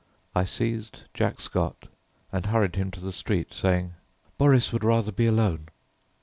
I seized Jack Scott and hurried him to the street, saying, "Boris would rather be alone."